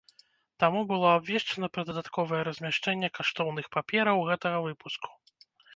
Таму было абвешчана пра дадатковае размяшчэнне каштоўных папераў гэтага выпуску.